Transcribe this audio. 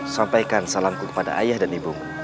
sampaikan salamku kepada ayah dan ibumu